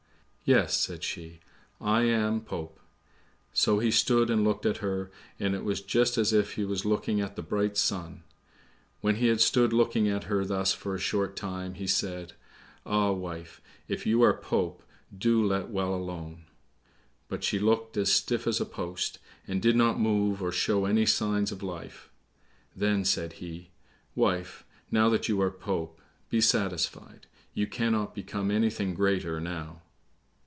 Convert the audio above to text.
"Yes," said she, "I am Pope." So he stood and looked at her, and it was just as if he was looking at the bright sun. When he had stood looking at her thus for a short time, he said, "Ah, wife, if you are Pope, do let well alone!" But she looked as stiff as a post, and did not move or show any signs of life. Then said he, "Wife, now that you are Pope, be satisfied, you cannot become anything greater now."